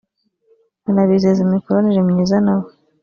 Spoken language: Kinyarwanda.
anabizeza imikoranire myiza nabo